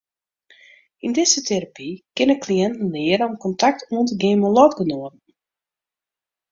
Yn dizze terapy kinne kliïnten leare om kontakt oan te gean mei lotgenoaten.